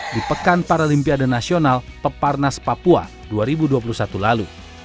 di pekan paralimpiade nasional peparnas papua dua ribu dua puluh satu lalu